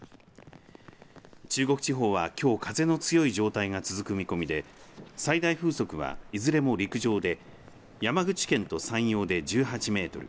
中国地方はきょう風の強い状態が続く見込みで最大風速は、いずれも陸上で山口県と山陽で１８メートル